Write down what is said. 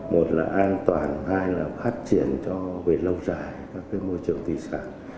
một là an toàn hai là phát triển cho về lâu dài các môi trường thủy sản